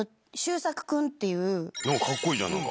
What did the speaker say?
かっこいいじゃん何か。